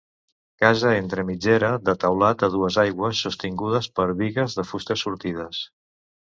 Casa entre mitgera de teulat a dues aigües, sostingudes per bigues de fusta sortides.